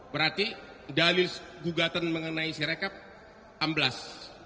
berarti dalil gugatan mengenai si rekap amblas